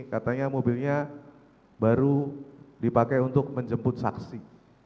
katanya mobilnya baru dipakai untuk menjemput saksi